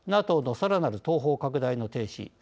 ＮＡＴＯのさらなる東方拡大の停止。